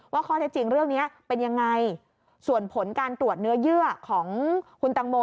ข้อเท็จจริงเรื่องนี้เป็นยังไงส่วนผลการตรวจเนื้อเยื่อของคุณตังโม